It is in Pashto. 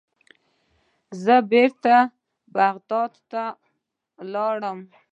زه بیرته بغداد ته لاړم.